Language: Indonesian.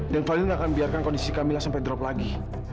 dan fadil gak akan membiarkan kondisi kamila sampai drop lagi